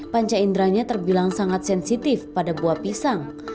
panca inderanya terbilang sangat sensitif pada buah pisang